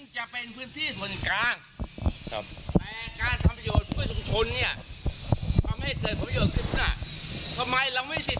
จะเป็นพื้นที่ส่วนกลาง